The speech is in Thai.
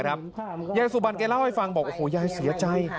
ยายสุบันแกเล่าให้ฟังบอกโอ้โหยายเสียใจ